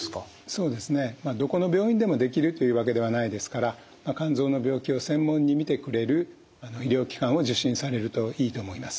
そうですねどこの病院でもできるというわけではないですから肝臓の病気を専門に診てくれる医療機関を受診されるといいと思います。